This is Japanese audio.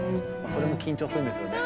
それも緊張するんですよね。